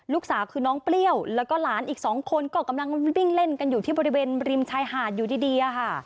ลูกสาวคือน้องเปรี้ยวแล้วก็หลานอีกสองคนก็กำลังวิ่งเล่นกันอยู่ที่บริเวณริมชายหาดอยู่ดีค่ะ